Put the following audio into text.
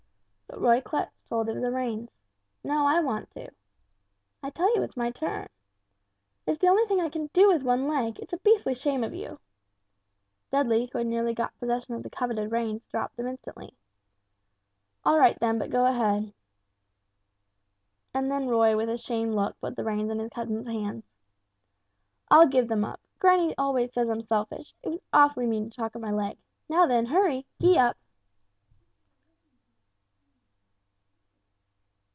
But Roy clutched hold of the reins. "No, I want to." "I tell you it's my turn!" "It's the only thing I can do with one leg, it's a beastly shame of you!" Dudley, who had nearly got possession of the coveted reins dropped them instantly. "All right then, but go ahead!" And then Roy with a shamed look put the reins in his cousin's hands. "I'll give them up. Granny always says I'm selfish. It was awfully mean to talk of my leg. Now then hurry! Gee up!"